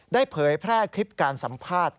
เผยแพร่คลิปการสัมภาษณ์